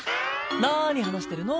なに話してるの？